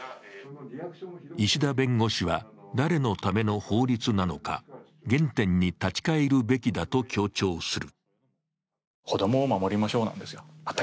石田弁護士は、誰のための法律なのか、原点に立ち返るべきだと強調する。